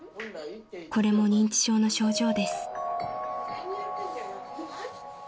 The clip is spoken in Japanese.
［これも認知症の症状です］